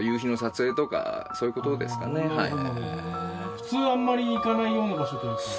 普通あんまり行かないような場所というか。